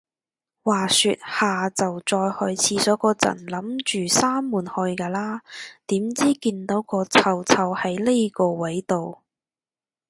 話說，下就再去廁所個陣，諗住閂門去㗎啦，點知，見到個臭臭係呢個位到